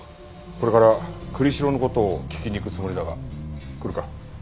これから栗城の事を聞きに行くつもりだが来るか？